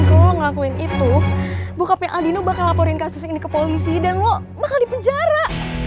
dan kalau lo ngelakuin itu bokapnya aldino bakal laporin kasus ini ke polisi dan lo bakal di penjara